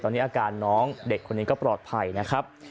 ตอนนี้อาการน้องเด็กคนนี้ก็ปลอดภัยนะครับ